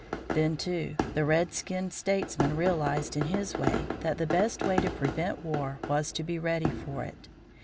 Then, too, this redskinned statesman realized in his way that the best way to prevent war was to be ready for it.